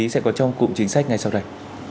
sẽ có trong cụm chính sách ngay sau đây